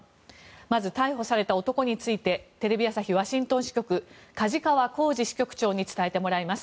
まず逮捕された男についてテレビ朝日ワシントン支局梶川幸司支局長に伝えてもらいます。